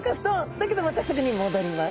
だけどまたすぐに戻ります。